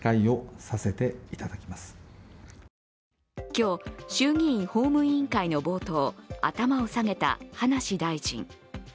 今日、衆議院法務委員会の冒頭、頭を下げた葉梨大臣。